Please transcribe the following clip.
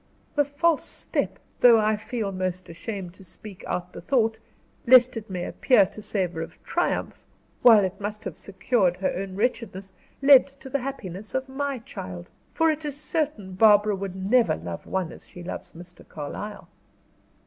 The false step though I feel almost ashamed to speak out the thought, lest it may appear to savor of triumph while it must have secured her own wretchedness, led to the happiness of my child; for it is certain Barbara would never love one as she loves Mr. Carlyle."